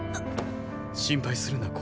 心配するな向。